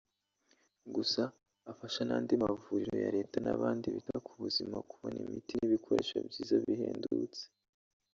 Gusa afasha n’andi mavuriro ya Leta n’abandi bita ku buzima kubona imiti n’ibikoresho byiza bihendutse